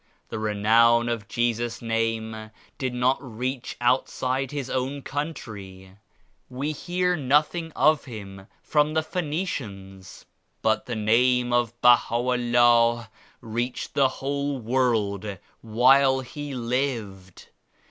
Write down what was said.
The renown of Jesus' Name did not reach outside His own country. We hear nothing of S8 Him from the Phoenicians. But the Name of BahaVllah reached the whole world while He lived.